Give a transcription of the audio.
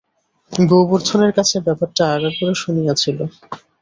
গোবর্ধনের কাছে ব্যাপারটা আগাগোড়া শুনিয়াছিল।